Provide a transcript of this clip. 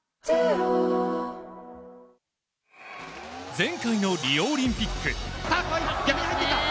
前回のリオオリンピック。